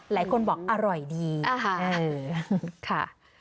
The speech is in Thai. หลายคนบอกอร่อยดีค่ะ